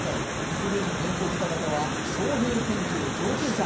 すぐにピンと来た方はショウヘイ検定上級者。